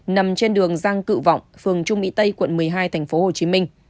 nằm trên đường giang cự vọng phường trung mỹ tây quận một mươi hai tp hcm